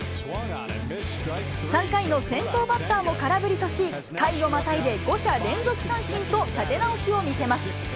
３回の先頭バッターも空振りとし、回をまたいで５者連続三振と立て直しを見せます。